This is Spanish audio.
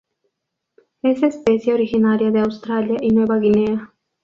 Es especie originaria de Australia y Nueva Guinea.